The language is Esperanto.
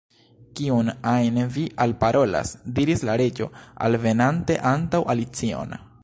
"Kiun ajn vi alparolas?" diris la Reĝo, alvenante antaŭ Alicion.